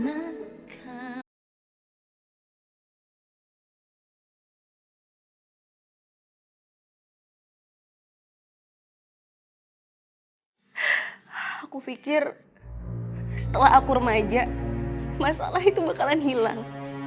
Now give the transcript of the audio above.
aku pikir setelah aku remaja masalah itu bakalan hilang